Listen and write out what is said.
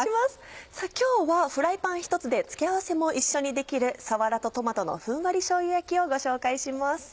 さぁ今日はフライパン１つで付け合わせも一緒に出来る「さわらとトマトのふんわりしょうゆ焼き」をご紹介します。